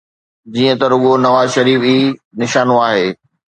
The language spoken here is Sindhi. جيئن ته رڳو نواز شريف ئي نشانو آهي.